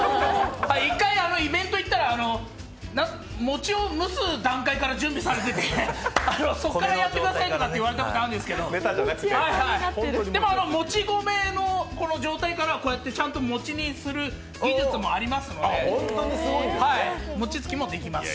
１回イベント行ったら餅を蒸す段階から準備されていて、そこからやってくださいと言われたことがあるんですけどでももち米の状態からこうやってちゃんと餅にする技術もありますので餅つきもできます。